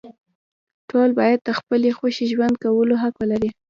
ټول باید د خپلې خوښې ژوند کولو حق ولري.